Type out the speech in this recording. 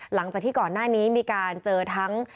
หลังจากที่ก่อนหน้านี้มีการเจอทั้ง